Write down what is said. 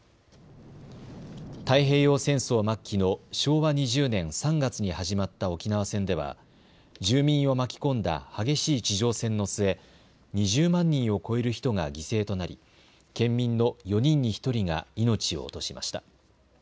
太平洋戦争末期の昭和２０年３月に始まった沖縄戦では住民を巻き込んだ激しい地上戦の末、２０万人を超える人が犠牲となり、県民の４人に１人が命を落としました。